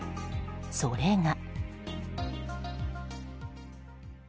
それが。